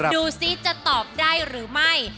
ดูซิจะตอบได้หรือไม่